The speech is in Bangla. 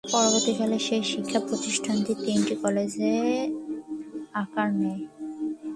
পরবর্তী কালে সেই শিক্ষা প্রতিষ্ঠানটি তিনটি কলেজের আকার নেয়।